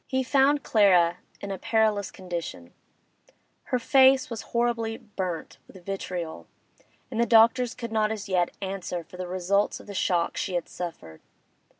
He found Clara in a perilous condition; her face was horribly burnt with vitriol, and the doctors could not as yet answer for the results of the shock she had suffered.